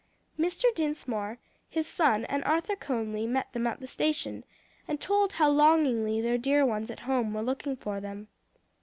Mr. Dinsmore, his son, and Arthur Conly met them at the station, and told how longingly their dear ones at home were looking for them.